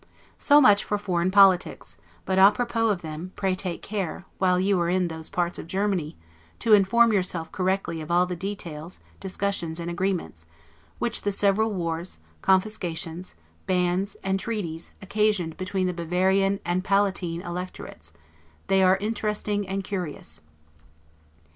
So much for foreign politics; but 'a propos' of them, pray take care, while you are in those parts of Germany, to inform yourself correctly of all the details, discussions, and agreements, which the several wars, confiscations, bans, and treaties, occasioned between the Bavarian and Palatine Electorates; they are interesting and curious.